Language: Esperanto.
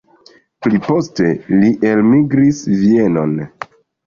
Pli poste li elmigris Vienon.